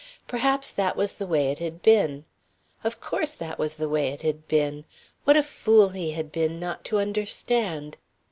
Perhaps that was the way it had been. Of course that was the way it had been. What a fool he had been not to understand.